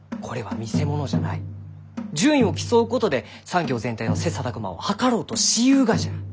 順位を競うことで産業全体の切磋琢磨を図ろうとしゆうがじゃ。